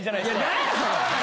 何やそれ！